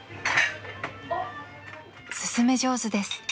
［勧め上手です］